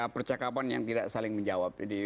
percakapan yang tidak saling menjawab